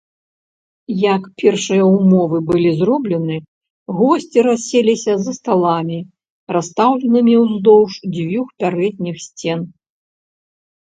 Як першыя ўмовы былі зроблены, госці расселіся за сталамі, расстаўленымі ўздоўж дзвюх пярэдніх сцен.